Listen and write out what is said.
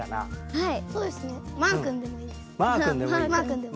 はい。